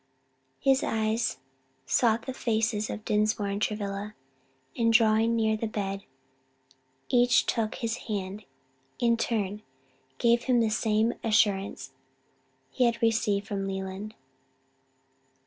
His eyes sought the faces of Dinsmore and Travilla, and drawing near the bed, each took his hand in turn and gave him the same assurance he had already received from Leland.